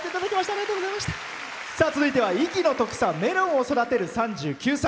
続いては壱岐の特産メロンを育てる３９歳。